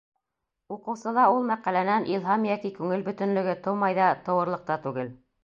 Уҡыусыла ул мәҡәләнән илһам йәки күңел бөтөнлөгө тыумай ҙа, тыуырлыҡ та түгел.